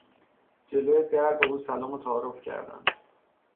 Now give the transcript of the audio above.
جلو در به او سلام و تعارف کردند.